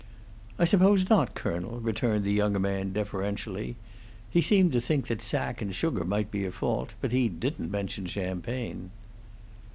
"I suppose not, colonel," returned the younger man, deferentially. "He seemed to think that sack and sugar might be a fault; but he didn't mention champagne."